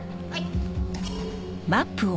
はい。